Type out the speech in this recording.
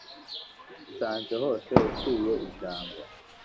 nsanze hose ukwiye ijambo,